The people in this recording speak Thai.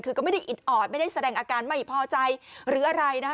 คือก็ไม่ได้อิดออดไม่ได้แสดงอาการไม่พอใจหรืออะไรนะคะ